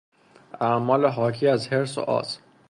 اعمال حاکی از حرص و آز